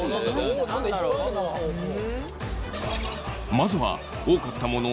まずは多かったもの